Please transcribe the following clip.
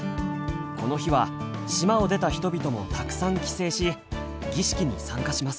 この日は島を出た人々もたくさん帰省し儀式に参加します。